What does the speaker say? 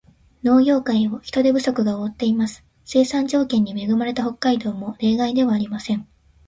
農業界を人手不足が覆っています。生産条件に恵まれた北海道も例外ではありません。